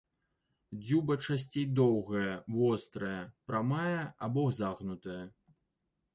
Дзюба часцей доўгая, вострая, прамая або загнутая.